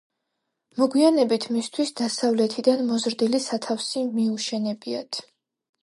მოგვიანებით მისთვის დასავლეთიდან მოზრდილი სათავსი მიუშენებიათ.